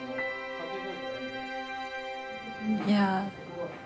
いや。